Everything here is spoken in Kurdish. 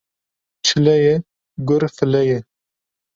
Çile ye, gur file ye